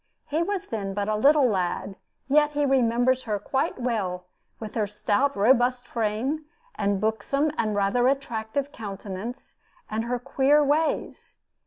He was then but a little lad, yet he remembers her quite well, with her stout, robust frame, and buxom and rather attractive countenance, and her queer ways.